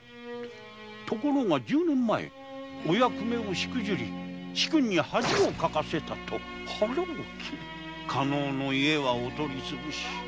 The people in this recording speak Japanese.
ところが十年前お役目をしくじり主君に恥をかかせたと腹を切り加納の家はお取りつぶし。